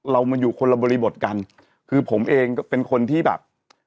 เรามาอยู่คนละบริบทกันคือผมเองก็เป็นคนที่แบบ